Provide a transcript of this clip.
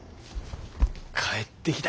帰ってきた。